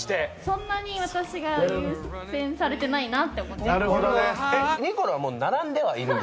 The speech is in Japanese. そんなに私が優先されてないなって思って。